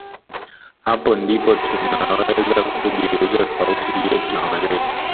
Hapo ndipo tunaweza kujiuliza tofauti yetu na wenzetu